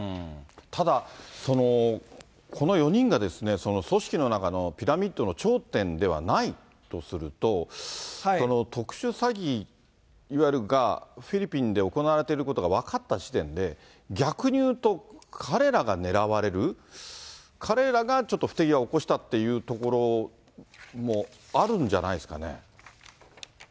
ただ、この４人が組織の中のピラミッドの頂点ではないとすると、特殊詐欺がフィリピンで行われることが分かった時点で、逆に言うと彼らが狙われる、彼らがちょっと不手際を起こしたというところもあるんじゃないですかね。